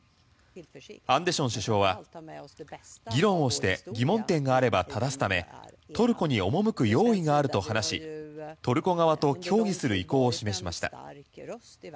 アンデション首相は、議論をして疑問点があればただすためトルコに赴く用意があると話しトルコ側と協議する意向を示しました。